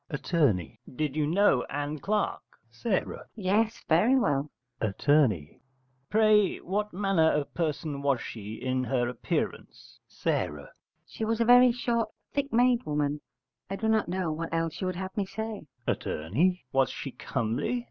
Att. Did you know Ann Clark? S. Yes, very well. Att. Pray, what manner of person was she in her appearance? S. She was a very short thick made woman: I do not know what else you would have me say. Att. Was she comely?